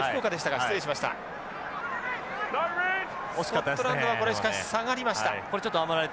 スコットランドはしかし下がりました。